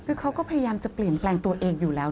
คือเขาก็พยายามจะเปลี่ยนแปลงตัวเองอยู่แล้ว